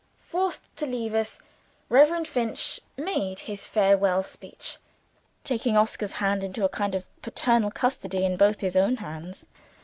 Forced to leave us, Reverend Finch made his farewell speech; taking Oscar's hand into a kind of paternal custody in both his own hands.